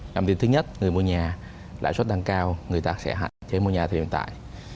dòng tiền thứ nhất người mua nhà lãi suất đang cao người ta sẽ hạ chế mua nhà hiện tại